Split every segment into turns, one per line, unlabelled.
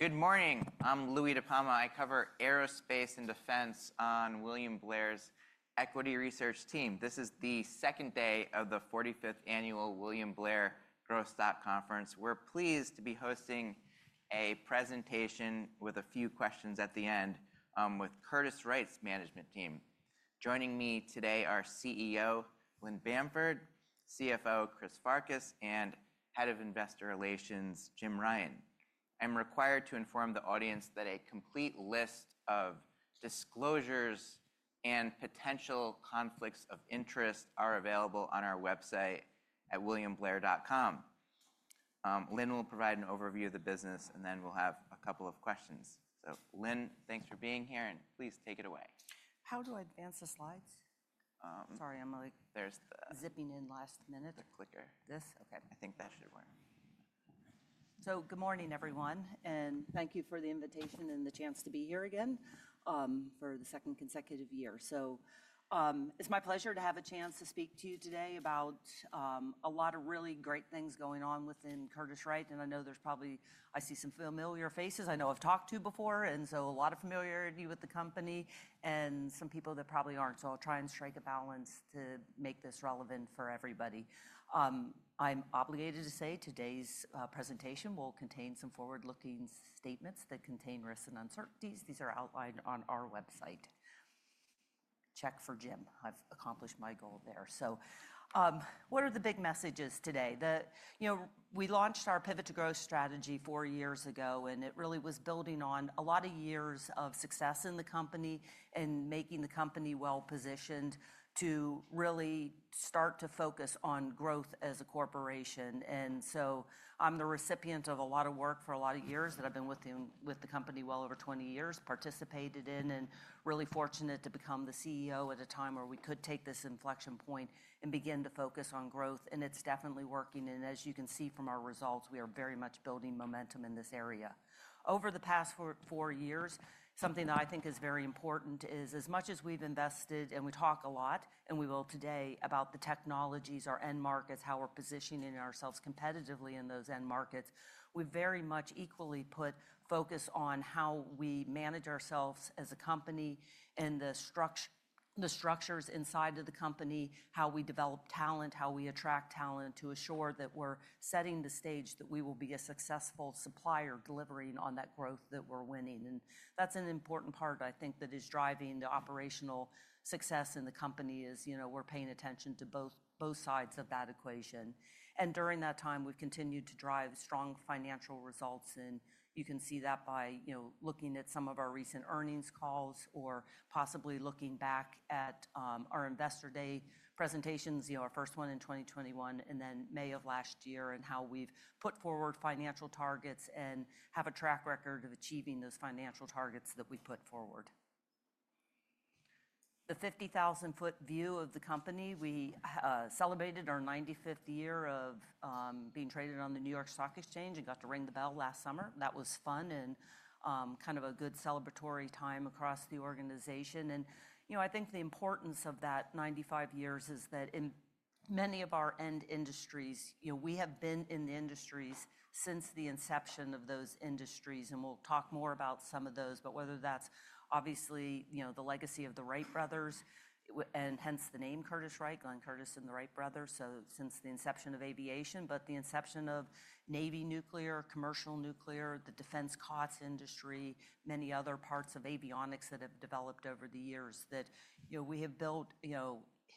Good morning. I'm Louis DiPalma. I cover aerospace and defense on William Blair's Equity Research Team. This is the second day of the 45th Annual William Blair Growth Stock Conference. We're pleased to be hosting a presentation with a few questions at the end with Curtiss-Wright's management team. Joining me today are CEO Lynn Bamford, CFO Chris Farkas, and Head of Investor Relations Jim Ryan. I'm required to inform the audience that a complete list of disclosures and potential conflicts of interest are available on our website at williamblair.com. Lynn will provide an overview of the business, and then we'll have a couple of questions. Lynn, thanks for being here, and please take it away.
How do I advance the slides? Sorry, I'm zipping in last minute.
The clicker.
This? Okay.
I think that should work.
Good morning, everyone, and thank you for the invitation and the chance to be here again for the second consecutive year. It's my pleasure to have a chance to speak to you today about a lot of really great things going on within Curtiss-Wright. I know there's probably—I see some familiar faces I know I've talked to before, and so a lot of familiarity with the company and some people that probably aren't. I'll try and strike a balance to make this relevant for everybody. I'm obligated to say today's presentation will contain some forward-looking statements that contain risks and uncertainties. These are outlined on our website. Check for Jim. I've accomplished my goal there. What are the big messages today? We launched our pivot to growth strategy four years ago, and it really was building on a lot of years of success in the company and making the company well-positioned to really start to focus on growth as a corporation. I am the recipient of a lot of work for a lot of years that I have been with the company well over 20 years, participated in, and really fortunate to become the CEO at a time where we could take this inflection point and begin to focus on growth. It is definitely working. As you can see from our results, we are very much building momentum in this area. Over the past four years, something that I think is very important is, as much as we've invested, and we talk a lot, and we will today about the technologies, our end markets, how we're positioning ourselves competitively in those end markets, we've very much equally put focus on how we manage ourselves as a company and the structures inside of the company, how we develop talent, how we attract talent to assure that we're setting the stage that we will be a successful supplier delivering on that growth that we're winning. That's an important part, I think, that is driving the operational success in the company is we're paying attention to both sides of that equation. During that time, we've continued to drive strong financial results. You can see that by looking at some of our recent earnings calls or possibly looking back at our Investor day presentations, our first one in 2021, and then May of last year, and how we've put forward financial targets and have a track record of achieving those financial targets that we've put forward. The 50,000 ft view of the company, we celebrated our 95th year of being traded on the New York Stock Exchange and got to ring the bell last summer. That was fun and kind of a good celebratory time across the organization. I think the importance of that 95 years is that in many of our end industries, we have been in the industries since the inception of those industries. We'll talk more about some of those, whether that's obviously the legacy of the Wright brothers, and hence the name Curtiss-Wright, Glenn Curtiss and the Wright brothers. Since the inception of aviation, the inception of navy nuclear, commercial nuclear, the defense COTS industry, many other parts of avionics that have developed over the years, we have built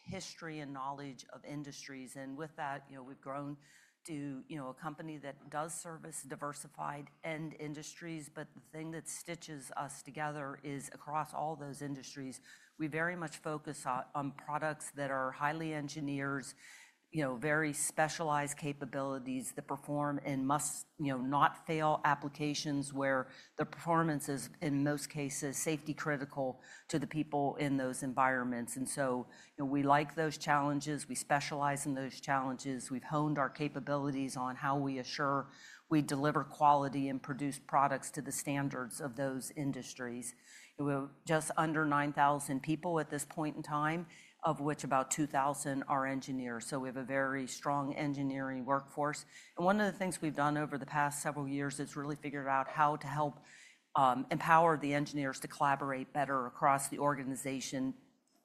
history and knowledge of industries. With that, we've grown to a company that does service diversified end industries. The thing that stitches us together is across all those industries, we very much focus on products that are highly engineered, very specialized capabilities that perform and must not fail, applications where the performance is, in most cases, safety critical to the people in those environments. We like those challenges. We specialize in those challenges. We've honed our capabilities on how we assure we deliver quality and produce products to the standards of those industries. We're just under 9,000 people at this point in time, of which about 2,000 are engineers. We have a very strong engineering workforce. One of the things we've done over the past several years is really figured out how to help empower the engineers to collaborate better across the organization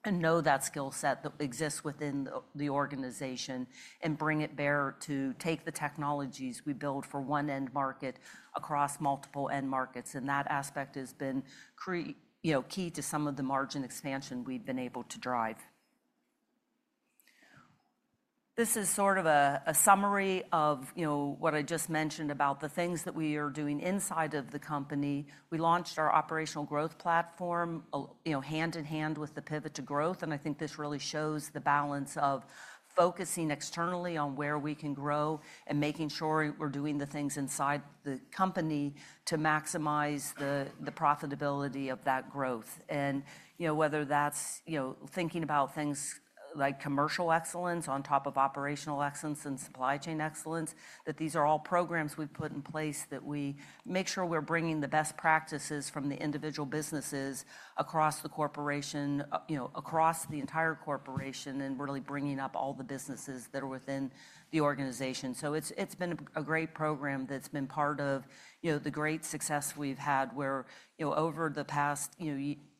and know that skill set that exists within the organization and bring it there to take the technologies we build for one end market across multiple end markets. That aspect has been key to some of the margin expansion we've been able to drive. This is sort of a summary of what I just mentioned about the things that we are doing inside of the company. We launched our operational growth platform hand in hand with the pivot to growth. I think this really shows the balance of focusing externally on where we can grow and making sure we're doing the things inside the company to maximize the profitability of that growth. Whether that's thinking about things like commercial excellence on top of operational excellence and supply chain excellence, these are all programs we've put in place that we make sure we're bringing the best practices from the individual businesses across the corporation, across the entire corporation, and really bringing up all the businesses that are within the organization. It's been a great program that's been part of the great success we've had where over the past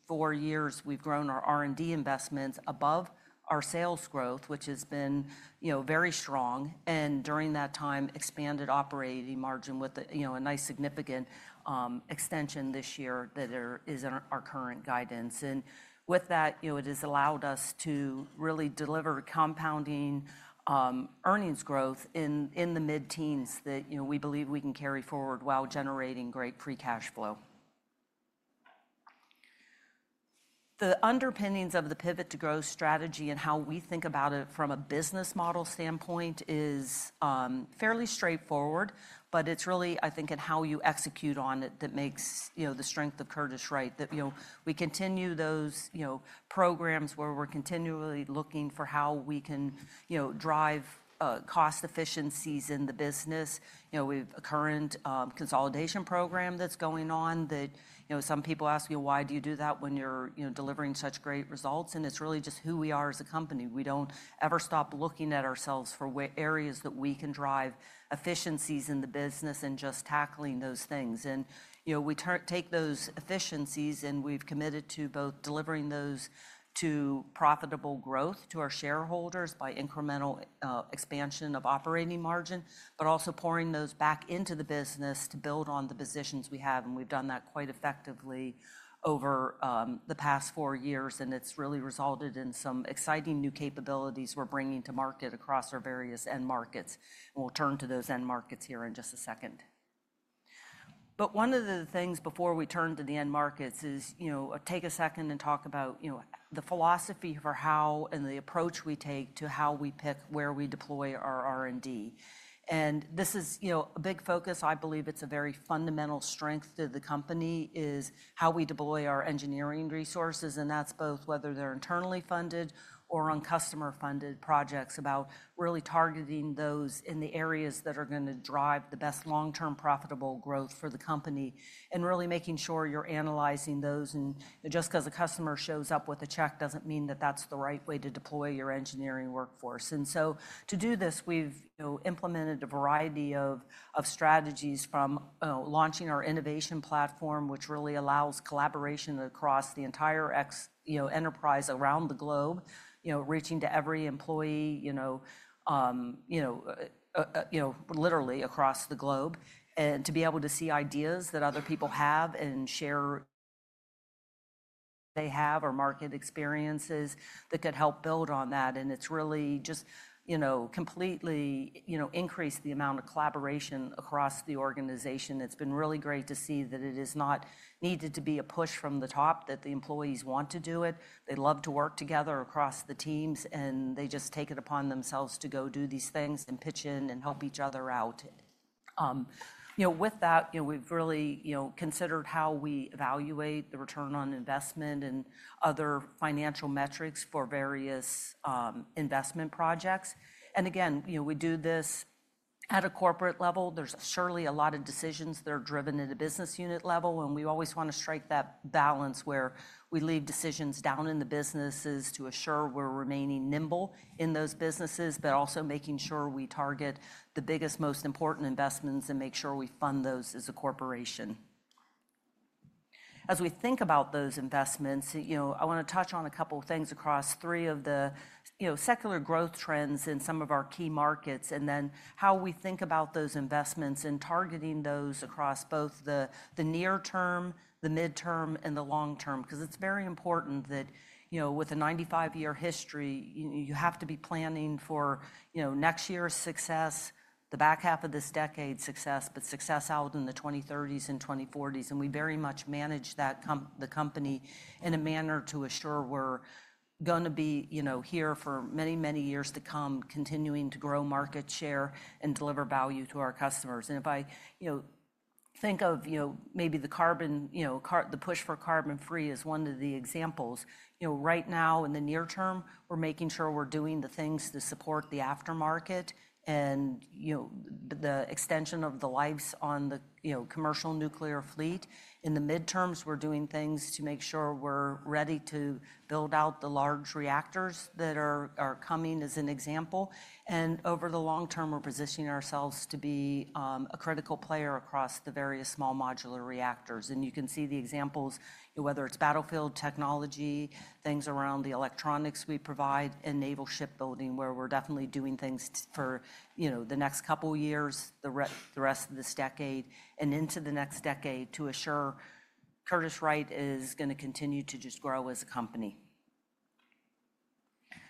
four years, we've grown our R&D investments above our sales growth, which has been very strong, and during that time, expanded operating margin with a nice significant extension this year that is in our current guidance. With that, it has allowed us to really deliver compounding earnings growth in the mid-teens that we believe we can carry forward while generating great free cash flow. The underpinnings of the pivot to growth strategy and how we think about it from a business model standpoint is fairly straightforward, but it's really, I think, in how you execute on it that makes the strength of Curtiss-Wright that we continue those programs where we're continually looking for how we can drive cost efficiencies in the business. We have a current consolidation program that's going on that some people ask you, "Why do you do that when you're delivering such great results?" It is really just who we are as a company. We do not ever stop looking at ourselves for areas that we can drive efficiencies in the business and just tackling those things. We take those efficiencies, and we've committed to both delivering those to profitable growth to our shareholders by incremental expansion of operating margin, but also pouring those back into the business to build on the positions we have. We've done that quite effectively over the past four years, and it has really resulted in some exciting new capabilities we're bringing to market across our various end markets. We will turn to those end markets here in just a second. One of the things before we turn to the end markets is take a second and talk about the philosophy for how and the approach we take to how we pick where we deploy our R&D. This is a big focus. I believe it's a very fundamental strength to the company is how we deploy our engineering resources. That's both whether they're internally funded or on customer-funded projects about really targeting those in the areas that are going to drive the best long-term profitable growth for the company and really making sure you're analyzing those. Just because a customer shows up with a check doesn't mean that that's the right way to deploy your engineering workforce. To do this, we've implemented a variety of strategies from launching our innovation platform, which really allows collaboration across the entire enterprise around the globe, reaching to every employee literally across the globe, and to be able to see ideas that other people have and share they have or market experiences that could help build on that. It's really just completely increased the amount of collaboration across the organization. It's been really great to see that it has not needed to be a push from the top that the employees want to do it. They love to work together across the teams, and they just take it upon themselves to go do these things and pitch in and help each other out. With that, we've really considered how we evaluate the return on investment and other financial metrics for various investment projects. We do this at a corporate level. There is surely a lot of decisions that are driven at a business unit level, and we always want to strike that balance where we leave decisions down in the businesses to assure we are remaining nimble in those businesses, but also making sure we target the biggest, most important investments and make sure we fund those as a corporation. As we think about those investments, I want to touch on a couple of things across three of the secular growth trends in some of our key markets, and then how we think about those investments and targeting those across both the near term, the midterm, and the long term, because it is very important that with a 95-year history, you have to be planning for next year's success, the back half of this decade's success, but success out in the 2030s and 2040s. We very much manage the company in a manner to assure we're going to be here for many, many years to come, continuing to grow market share and deliver value to our customers. If I think of maybe the push for carbon-free as one of the examples, right now in the near term, we're making sure we're doing the things to support the aftermarket and the extension of the lives on the commercial nuclear fleet. In the midterms, we're doing things to make sure we're ready to build out the large reactors that are coming as an example. Over the long term, we're positioning ourselves to be a critical player across the various small modular reactors. You can see the examples, whether it's battlefield technology, things around the electronics we provide, and naval shipbuilding where we're definitely doing things for the next couple of years, the rest of this decade, and into the next decade to assure Curtiss-Wright is going to continue to just grow as a company.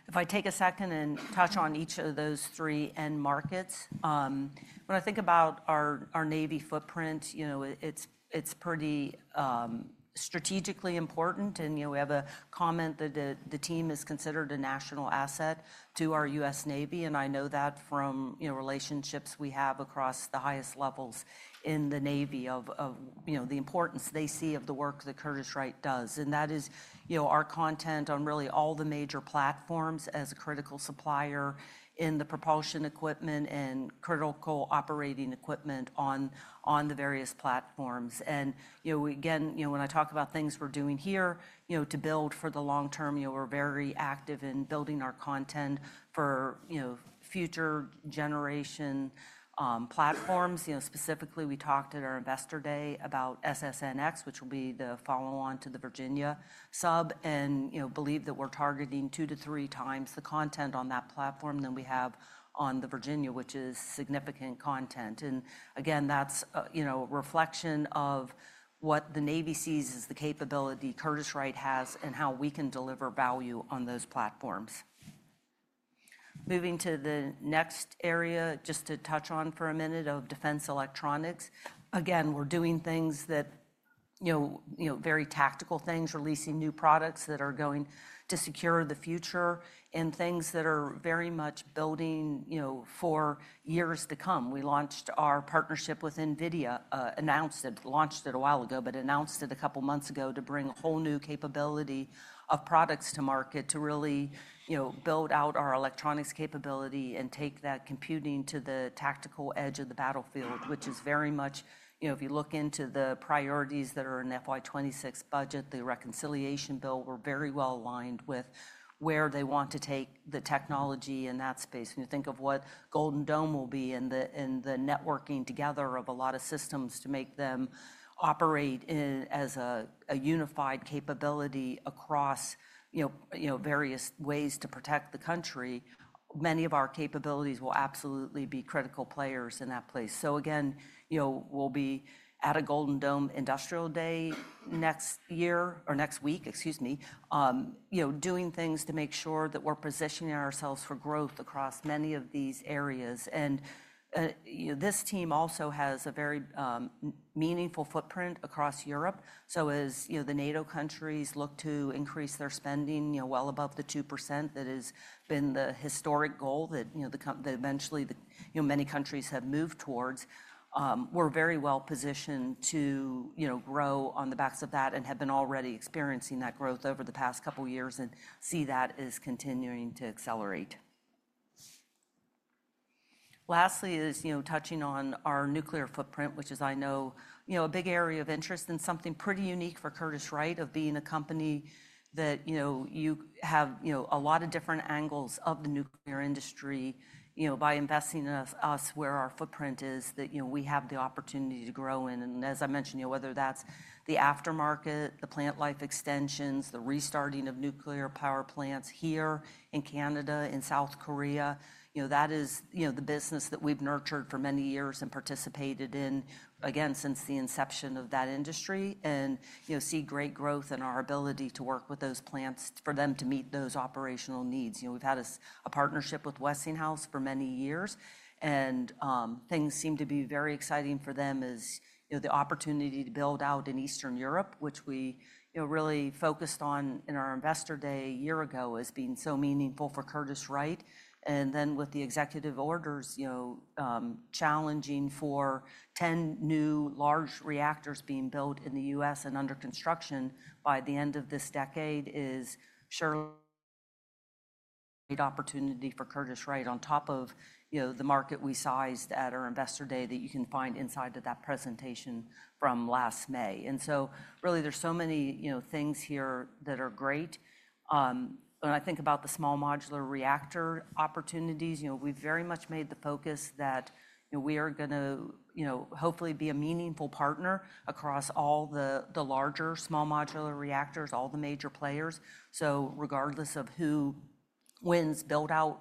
If I take a second and touch on each of those three end markets, when I think about our navy footprint, it's pretty strategically important. We have a comment that the team is considered a national asset to our U.S. Navy. I know that from relationships we have across the highest levels in the Navy of the importance they see of the work that Curtiss-Wright does. That is our content on really all the major platforms as a critical supplier in the propulsion equipment and critical operating equipment on the various platforms. Again, when I talk about things we're doing here to build for the long term, we're very active in building our content for future generation platforms. Specifically, we talked at our Investor Day about SSN (X), which will be the follow-on to the Virginia sub, and believe that we're targeting two to three times the content on that platform than we have on the Virginia, which is significant content. That is a reflection of what the Navy sees as the capability Curtiss-Wright has and how we can deliver value on those platforms. Moving to the next area, just to touch on for a minute of defense electronics. We're doing things that are very tactical things, releasing new products that are going to secure the future and things that are very much building for years to come. We launched our partnership with NVIDIA, announced it, launched it a while ago, but announced it a couple of months ago to bring a whole new capability of products to market to really build out our electronics capability and take that computing to the tactical edge of the battlefield, which is very much, if you look into the priorities that are in FY26 budget, the reconciliation bill, we are very well aligned with where they want to take the technology in that space. When you think of what Golden Dome will be and the networking together of a lot of systems to make them operate as a unified capability across various ways to protect the country, many of our capabilities will absolutely be critical players in that place. We'll be at a Golden Dome Industrial Day next week, excuse me, doing things to make sure that we're positioning ourselves for growth across many of these areas. This team also has a very meaningful footprint across Europe. As the NATO countries look to increase their spending well above the 2% that has been the historic goal that eventually many countries have moved towards, we're very well positioned to grow on the backs of that and have been already experiencing that growth over the past couple of years and see that as continuing to accelerate. Lastly, is touching on our nuclear footprint, which is, I know, a big area of interest and something pretty unique for Curtiss-Wright of being a company that you have a lot of different angles of the nuclear industry by investing in us where our footprint is that we have the opportunity to grow in. As I mentioned, whether that's the aftermarket, the plant life extensions, the restarting of nuclear power plants here in Canada, in South Korea, that is the business that we've nurtured for many years and participated in, again, since the inception of that industry and see great growth in our ability to work with those plants for them to meet those operational needs. We've had a partnership with Westinghouse for many years, and things seem to be very exciting for them as the opportunity to build out in Eastern Europe, which we really focused on in our Investor Day a year ago as being so meaningful for Curtiss-Wright. With the executive orders challenging for 10 new large reactors being built in the U.S. and under construction by the end of this decade, it is surely a great opportunity for Curtiss-Wright on top of the market we sized at our Investor Dday that you can find inside of that presentation from last May. There are so many things here that are great. When I think about the small modular reactor opportunities, we've very much made the focus that we are going to hopefully be a meaningful partner across all the larger small modular reactors, all the major players. Regardless of who wins build-out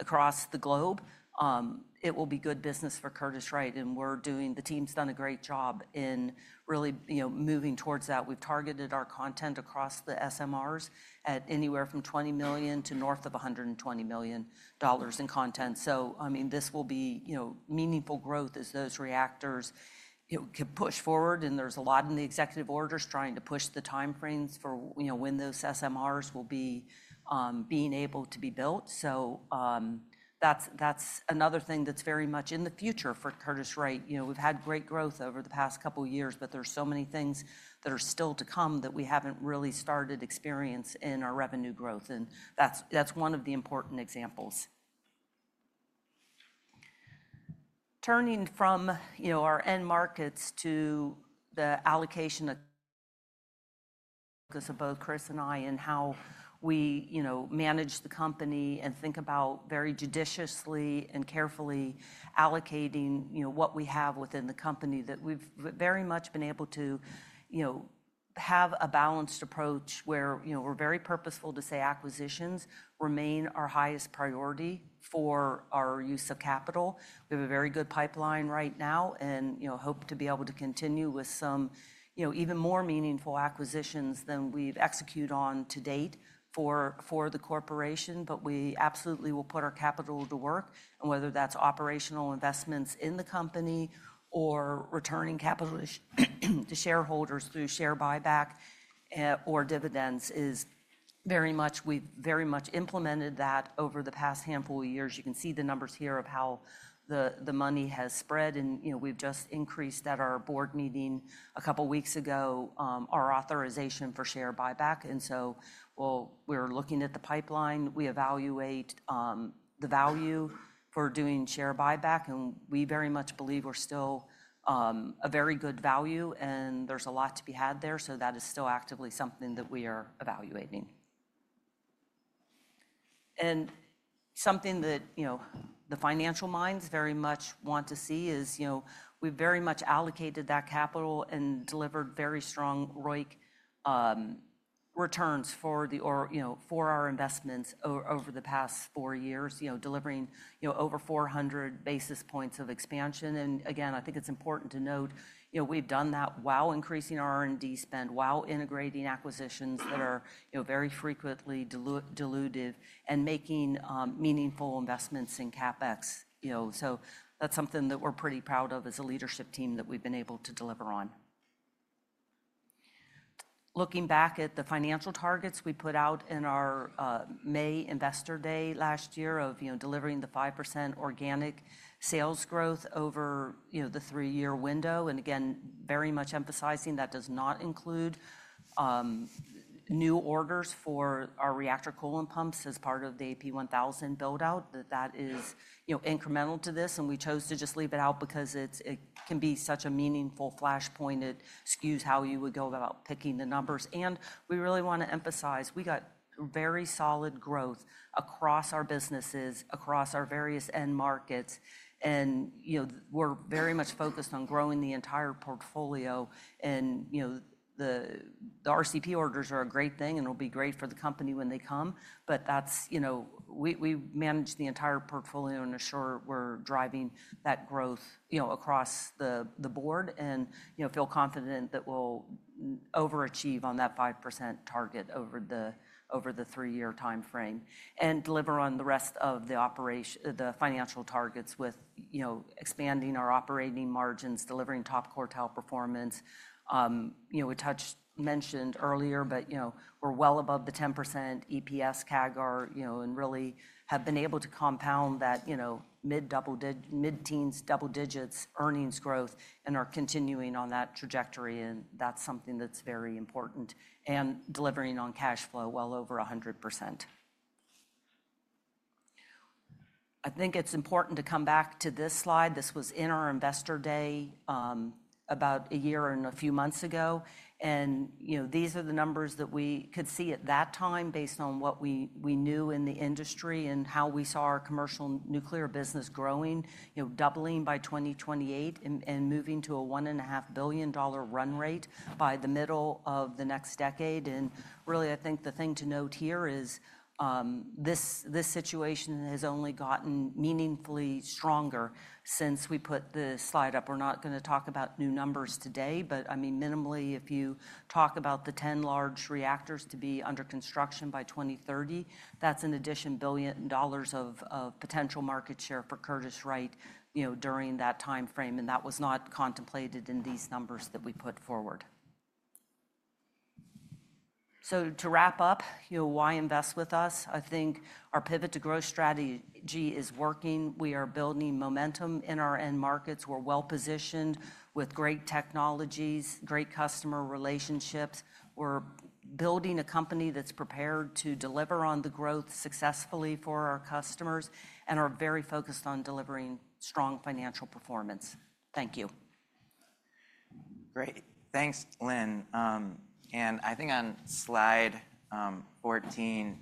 across the globe, it will be good business for Curtiss-Wright. The team's done a great job in really moving towards that. We've targeted our content across the SMRs at anywhere from $20 million to north of $120 million in content. I mean, this will be meaningful growth as those reactors can push forward. There's a lot in the executive orders trying to push the timeframes for when those SMRs will be being able to be built. That's another thing that's very much in the future for Curtiss-Wright. We've had great growth over the past couple of years, but there's so many things that are still to come that we haven't really started to experience in our revenue growth. That's one of the important examples. Turning from our end markets to the allocation of both Chris and I and how we manage the company and think about very judiciously and carefully allocating what we have within the company, that we've very much been able to have a balanced approach where we're very purposeful to say acquisitions remain our highest priority for our use of capital. We have a very good pipeline right now and hope to be able to continue with some even more meaningful acquisitions than we've executed on to date for the corporation. We absolutely will put our capital to work. Whether that's operational investments in the company or returning capital to shareholders through share buyback or dividends is very much we've very much implemented that over the past handful of years. You can see the numbers here of how the money has spread. We have just increased at our board meeting a couple of weeks ago our authorization for share buyback. We are looking at the pipeline. We evaluate the value for doing share buyback. We very much believe we are still a very good value. There is a lot to be had there. That is still actively something that we are evaluating. Something that the financial minds very much want to see is we have very much allocated that capital and delivered very strong ROIC returns for our investments over the past four years, delivering over 400 basis points of expansion. I think it is important to note we have done that while increasing our R&D spend, while integrating acquisitions that are very frequently diluted and making meaningful investments in CapEx. That is something that we are pretty proud of as a leadership team that we have been able to deliver on. Looking back at the financial targets we put out in our May Investor Day last year of delivering the 5% organic sales growth over the three-year window. Again, very much emphasizing that does not include new orders for our reactor coolant pumps as part of the AP1000 build-out, that that is incremental to this. We chose to just leave it out because it can be such a meaningful flashpoint. It skews how you would go about picking the numbers. We really want to emphasize we got very solid growth across our businesses, across our various end markets. We're very much focused on growing the entire portfolio. The RCP orders are a great thing and will be great for the company when they come. We manage the entire portfolio and assure we're driving that growth across the board and feel confident that we'll overachieve on that 5% target over the three-year timeframe and deliver on the rest of the financial targets with expanding our operating margins, delivering top quartile performance. We touched on this earlier, but we're well above the 10% EPS CAGR, and really have been able to compound that mid-teens, double digits earnings growth and are continuing on that trajectory. That's something that's very important and delivering on cash flow well over 100%. I think it's important to come back to this slide. This was in our Investor Day about a year and a few months ago. These are the numbers that we could see at that time based on what we knew in the industry and how we saw our commercial nuclear business growing, doubling by 2028 and moving to a $1.5 billion run rate by the middle of the next decade. I think the thing to note here is this situation has only gotten meaningfully stronger since we put the slide up. We're not going to talk about new numbers today, but I mean, minimally, if you talk about the 10 large reactors to be under construction by 2030, that's an additional $1 billion of potential market share for Curtiss-Wright during that timeframe. That was not contemplated in these numbers that we put forward. To wrap up, why invest with us? I think our pivot to growth strategy is working. We are building momentum in our end markets. We're well positioned with great technologies, great customer relationships. We're building a company that's prepared to deliver on the growth successfully for our customers and are very focused on delivering strong financial performance. Thank you.
Great. Thanks, Lynn. I think on slide 14,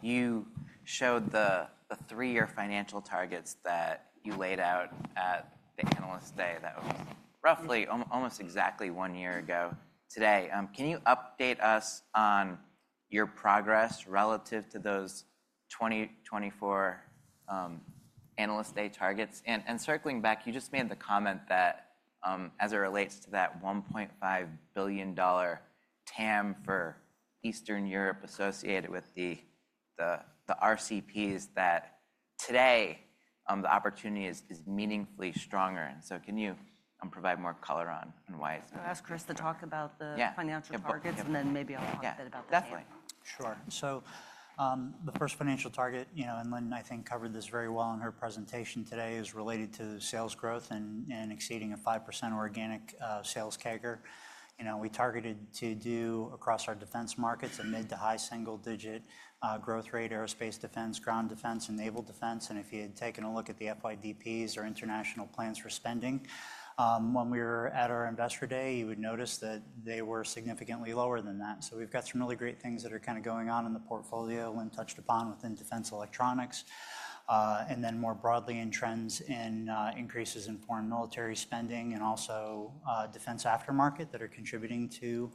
you showed the three-year financial targets that you laid out at the Analyst Day. That was roughly almost exactly one year ago today. Can you update us on your progress relative to those 2024 analyst day targets? Circling back, you just made the comment that as it relates to that $1.5 billion TAM for Eastern Europe associated with the RCPs, that today the opportunity is meaningfully stronger. Can you provide more color on why it's going to.
I'll ask Chris to talk about the financial targets, and then maybe I'll talk a bit about the TAM.
Yeah, definitely.
Sure. The first financial target, and Lynn, I think, covered this very well in her presentation today, is related to sales growth and exceeding a 5% organic sales CAGR. We targeted to do across our defense markets a mid to high single-digit growth rate: aerospace defense, ground defense, and naval defense. If you had taken a look at the FYDPs or international plans for spending, when we were at our Investor Day, you would notice that they were significantly lower than that. We have some really great things that are kind of going on in the portfolio. Lynn touched upon within defense electronics. More broadly, trends in increases in foreign military spending and also defense aftermarket are contributing to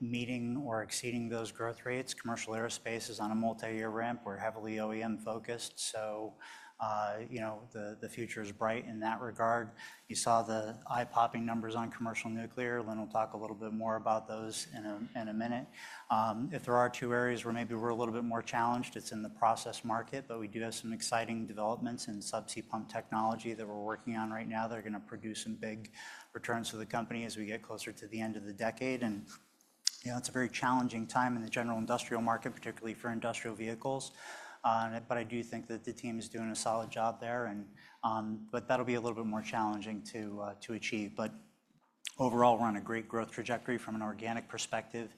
meeting or exceeding those growth rates. Commercial aerospace is on a multi-year ramp. We are heavily OEM-focused. The future is bright in that regard. You saw the eye-popping numbers on commercial nuclear. Lynn will talk a little bit more about those in a minute. If there are two areas where maybe we're a little bit more challenged, it's in the process market. We do have some exciting developments in subsea pump technology that we're working on right now that are going to produce some big returns to the company as we get closer to the end of the decade. It's a very challenging time in the general industrial market, particularly for industrial vehicles. I do think that the team is doing a solid job there. That'll be a little bit more challenging to achieve. Overall, we're on a great growth trajectory from an organic perspective.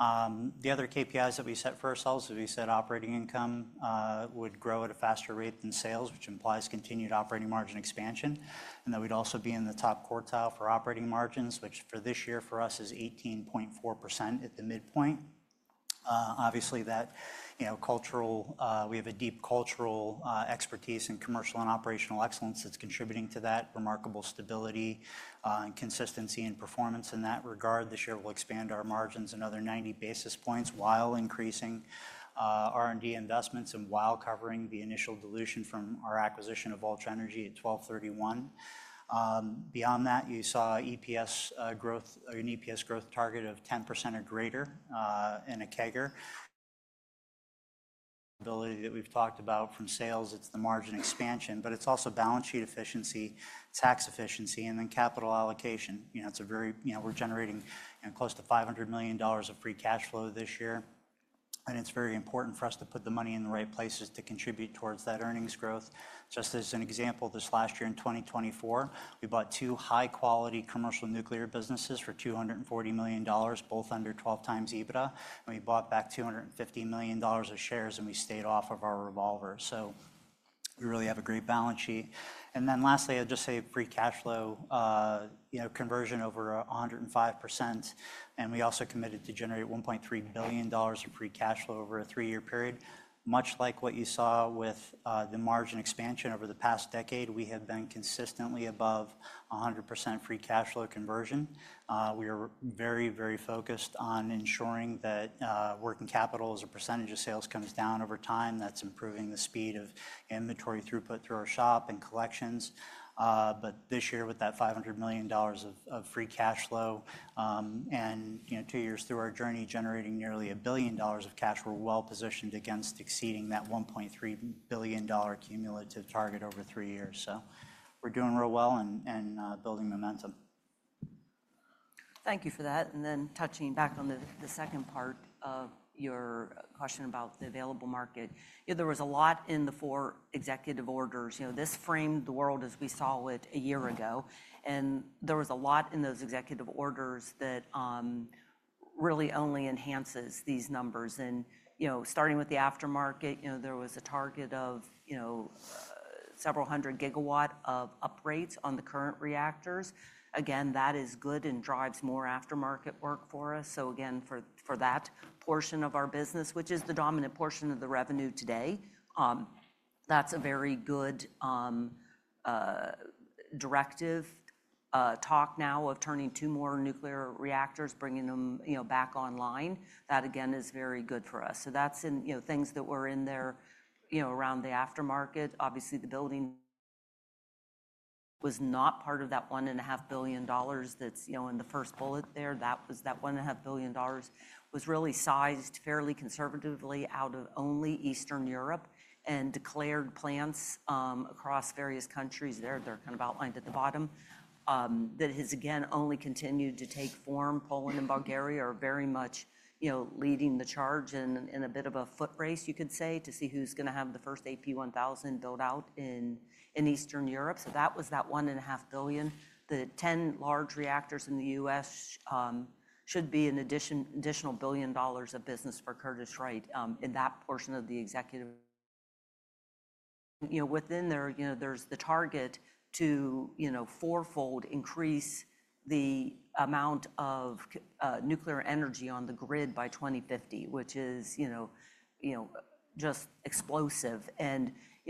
The other KPIs that we set for ourselves, as we said, operating income would grow at a faster rate than sales, which implies continued operating margin expansion. That we'd also be in the top quartile for operating margins, which for this year for us is 18.4% at the midpoint. Obviously, that cultural, we have a deep cultural expertise and commercial and operational excellence that's contributing to that remarkable stability and consistency in performance in that regard. This year we'll expand our margins another 90 basis points while increasing R&D investments and while covering the initial dilution from our acquisition of Ultra Energy at 12/31. Beyond that, you saw EPS growth, an EPS growth target of 10% or greater in a CAGR. Ability that we've talked about from sales, it's the margin expansion, but it's also balance sheet efficiency, tax efficiency, and then capital allocation. It's a very, we're generating close to $500 million of free cash flow this year. It's very important for us to put the money in the right places to contribute towards that earnings growth. Just as an example, this last year in 2024, we bought two high-quality commercial nuclear businesses for $240 million, both under 12x EBITDA. We bought back $250 million of shares, and we stayed off of our revolver. We really have a great balance sheet. Lastly, I'll just say free cash flow conversion over 105%. We also committed to generate $1.3 billion of free cash flow over a three-year period. Much like what you saw with the margin expansion over the past decade, we have been consistently above 100% free cash flow conversion. We are very, very focused on ensuring that working capital as a percentage of sales comes down over time. That is improving the speed of inventory throughput through our shop and collections. This year with that $500 million of free cash flow and two years through our journey generating nearly $1 billion of cash, we are well positioned against exceeding that $1.3 billion cumulative target over three years. We are doing real well and building momentum.
Thank you for that. Touching back on the second part of your question about the available market, there was a lot in the four executive orders. This framed the world as we saw it a year ago. There was a lot in those executive orders that really only enhances these numbers. Starting with the aftermarket, there was a target of several hundred gigawatt of upgrades on the current reactors. Again, that is good and drives more aftermarket work for us. For that portion of our business, which is the dominant portion of the revenue today, that's a very good directive. There is talk now of turning two more nuclear reactors, bringing them back online. That, again, is very good for us. That is in things that were in there around the aftermarket. Obviously, the building was not part of that $1.5 billion that's in the first bullet there. That $1.5 billion was really sized fairly conservatively out of only Eastern Europe and declared plants across various countries there. They're kind of outlined at the bottom that has again only continued to take form. Poland and Bulgaria are very much leading the charge in a bit of a foot race, you could say, to see who's going to have the first AP1000 built out in Eastern Europe. That was that $1.5 billion. The 10 large reactors in the U.S. should be an additional $1 billion of business for Curtiss-Wright in that portion of the executive. Within there, there's the target to fourfold increase the amount of nuclear energy on the grid by 2050, which is just explosive.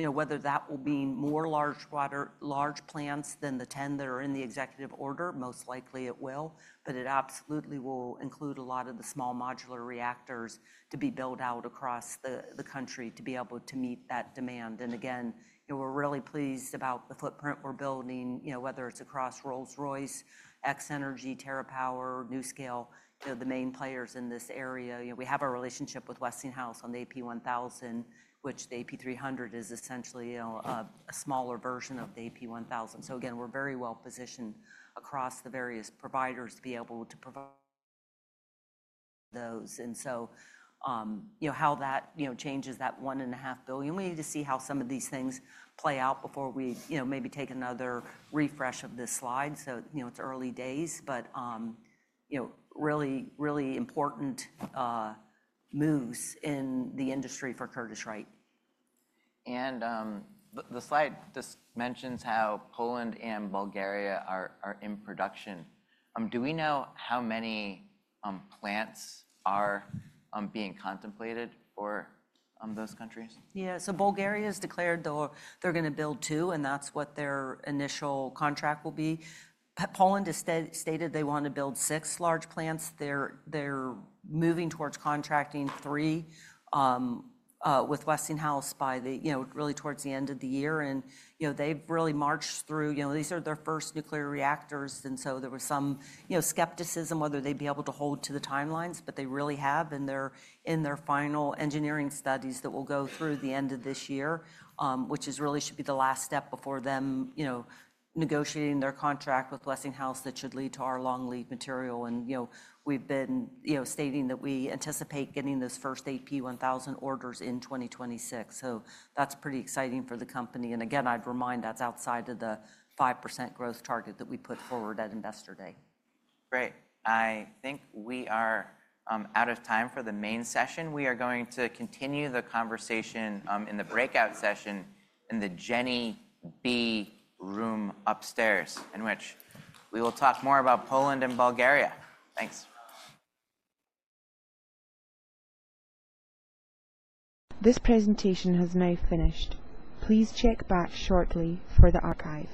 Whether that will be more large plants than the 10 that are in the executive order, most likely it will. It absolutely will include a lot of the small modular reactors to be built out across the country to be able to meet that demand. Again, we're really pleased about the footprint we're building, whether it's across Rolls-Royce, X-Energy, TerraPower, NuScale, the main players in this area. We have our relationship with Westinghouse on the AP1000, which the AP300 is essentially a smaller version of the AP1000. Again, we're very well positioned across the various providers to be able to provide those. How that changes that $1.5 billion, we need to see how some of these things play out before we maybe take another refresh of this slide. It's early days, but really, really important moves in the industry for Curtiss-Wright.
The slide just mentions how Poland and Bulgaria are in production. Do we know how many plants are being contemplated for those countries?
Yeah. Bulgaria has declared they're going to build two, and that's what their initial contract will be. Poland has stated they want to build six large plants. They're moving towards contracting three with Westinghouse by really towards the end of the year. They've really marched through. These are their first nuclear reactors. There was some skepticism whether they'd be able to hold to the timelines, but they really have. They're in their final engineering studies that will go through the end of this year, which really should be the last step before them negotiating their contract with Westinghouse that should lead to our long lead material. We've been stating that we anticipate getting those first AP1000 orders in 2026. That's pretty exciting for the company. Again, I'd remind that's outside of the 5% growth target that we put forward at Investor Day.
Great. I think we are out of time for the main session. We are going to continue the conversation in the breakout session in the Jenney B room upstairs, in which we will talk more about Poland and Bulgaria. Thanks.
This presentation has now finished. Please check back shortly for the archive.